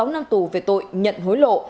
một mươi sáu năm tù về tội nhận hối lộ